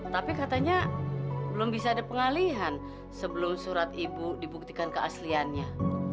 tapi katanya belum bisa ada pengalihan sebelum surat ibu dibuktikan keasliannya